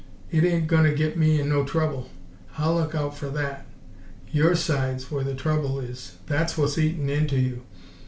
It ain' gunna git me in no trouble; I'll luk out f'r that. YOUR side's where the trouble is; that's what's eatin' into you.